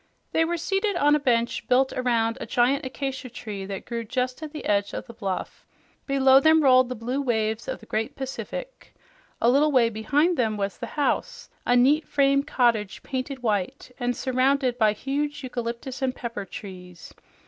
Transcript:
They were seated on a bench built around a giant acacia tree that grew just at the edge of the bluff. Below them rolled the blue waves of the great Pacific. A little way behind them was the house, a neat frame cottage painted white and surrounded by huge eucalyptus and pepper trees.